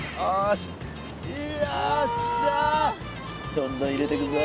どんどん入れてくぞ。